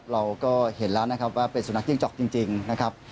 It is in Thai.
เราก็เห็นแล้วนะครับว่าเป็นสุนัขจิ้งจอกจริงนะครับ